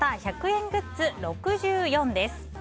１００円グッズ６４です。